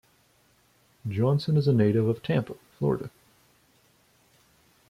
Johnson is a native of Tampa, Florida.